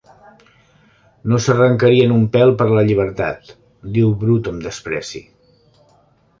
"No s'arrencarien un pèl per la llibertat", diu Brut amb despreci.